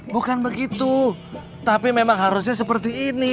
bukan begitu tapi memang harusnya seperti ini